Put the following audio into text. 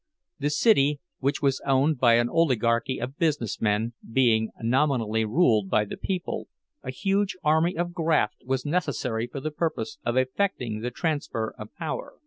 The city, which was owned by an oligarchy of business men, being nominally ruled by the people, a huge army of graft was necessary for the purpose of effecting the transfer of power.